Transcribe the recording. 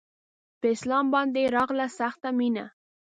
په اسلام باندې يې راغله سخته مينه